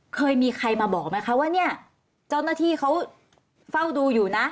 เคยมีใครมาบอกไหมคะว่าเนี่ยเจ้าหน้าที่เขาเฝ้าดูอยู่นะ